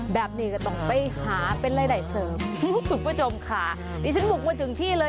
แบบนี้ก็ต้องไปหาเป็นรายได้เสริมคุณผู้ชมค่ะดิฉันบุกมาถึงที่เลย